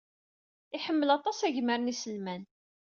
Iḥemmel aṭas agmar n yiselman.